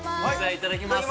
いただきます。